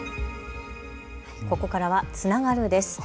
ここからはつながるです。